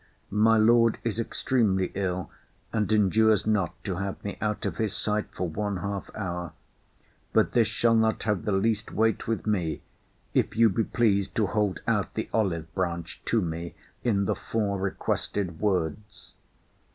My Lord is extremely ill, and endures not to have me out of his sight for one half hour. But this shall not have the least weight with me, if you be pleased to hold out the olive branch to me in the four requested words.